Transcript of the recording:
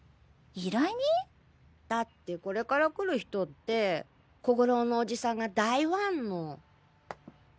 依頼人？だってこれから来る人って小五郎のおじさんが大ファンの。